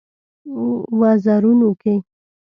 وزرونو کې